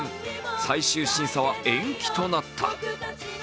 最終審査は延期となった。